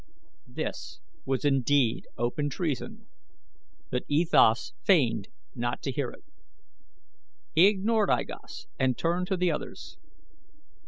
This was indeed open treason, but E Thas feigned not to hear it. He ignored I Gos and turned to the others.